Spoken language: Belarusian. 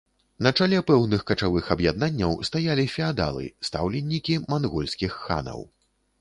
На чале пэўных качавых аб'яднанняў стаялі феадалы, стаўленікі мангольскіх ханаў.